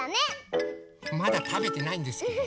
まだたべてないんですけど。